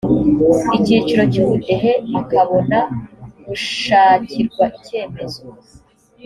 icyiciro cy ubudehe akabona gushakirwa icyemezo